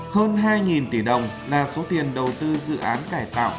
hơn hai tỷ đồng là số tiền đầu tư dự án cải tạo